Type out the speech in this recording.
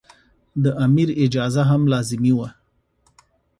د امیر اجازه هم لازمي وه.